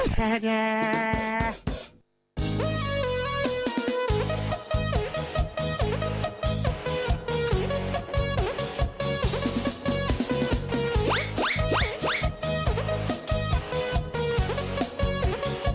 แท้แดง